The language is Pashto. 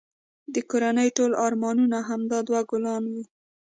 د کورنی ټول ارمانونه همدا دوه ګلان وه